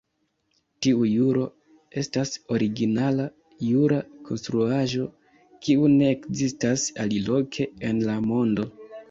Tiu juro estas originala jura konstruaĵo, kiu ne ekzistas aliloke en la mondo.